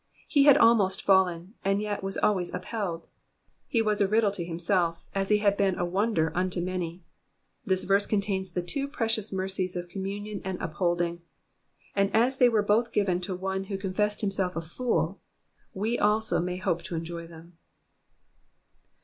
He had almost fallen, and yet was always upheld. He was a riddle to himself, as he had been a wonder unto many. This verse contains the two precious mercies of communion and upholding, and as they were both given to one who confessed himself a fool, we also may hope to enjoy them.